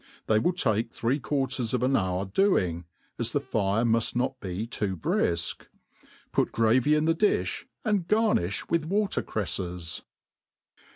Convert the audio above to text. They will take three quarters of an hour doings as the fire muft not be too briflc. Put gravy in thcdiib> am garniAi with water«crefles.